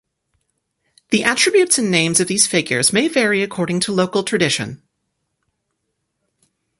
The attributes and names of these figures may vary according to local tradition.